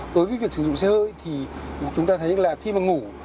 đối với việc sử dụng xe hơi thì chúng ta thấy là khi mà ngủ